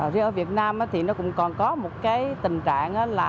riêng ở việt nam thì nó cũng còn có một cái tình trạng là